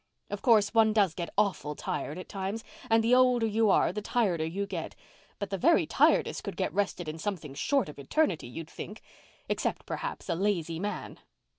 Of course, one does get awful tired at times—and the older you are the tireder you get. But the very tiredest could get rested in something short of eternity, you'd think—except, perhaps, a lazy man."